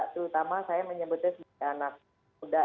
terutama saya menyebutnya sebagai anak muda